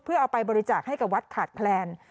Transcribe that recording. เพื่อเอาไปบริจาคให้กับวัดขาดแคลน